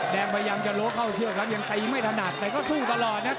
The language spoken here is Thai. แดงพยายามจะล้วนเข้าเชื่อครับยังตีไม่ถนัดแต่ก็สู้ตลอดนะติดในตลอด